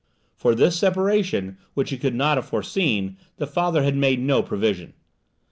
For this separation, which he could not have foreseen, the father had made no provision.